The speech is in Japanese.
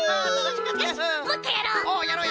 よしもっとやろう！